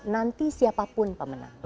nanti siapapun pemenang